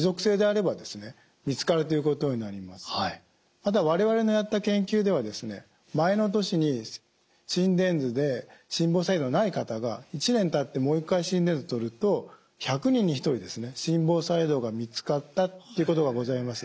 また我々のやった研究では前の年に心電図で心房細動ない方が１年たってもう一回心電図をとると１００人に１人心房細動が見つかったということがございます。